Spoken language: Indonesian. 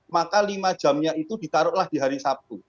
maka lima jamnya itu ditaruhlah di hari sabtu